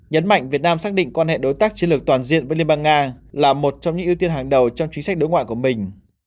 nhấn mạnh việt nam xác định quan hệ đối tác chiến lược toàn diện với liên bang nga là một trong những ưu tiên hàng đầu trong chính sách đối ngoại của mình